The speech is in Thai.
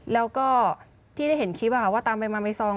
แล้วก็ที่ได้เห็นคลิปว่าตามไปมาในซอง